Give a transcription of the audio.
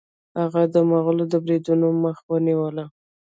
هغه د مغولو د بریدونو مخه ونیوله.